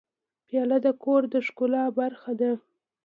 پیاله د کور د ښکلا برخه ده.